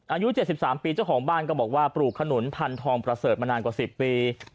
อายุ๗๓ปีเจ้าของบ้านก็บอกว่าปลูกขนุนพันธองประเสริฐมานานกว่า๑๐ปี